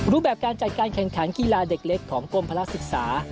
รูปแบบการจัดการแข่งขันกีฬาเด็กเล็กของกรมพลักษึกษา